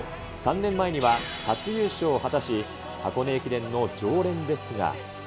３年前には初優勝を果たし、箱根駅伝の常連ですが。